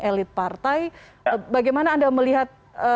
elit partai bagaimana anda melihat